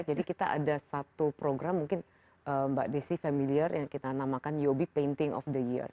jadi kita ada satu program mungkin mbak desi familiar yang kita namakan uob painting of the year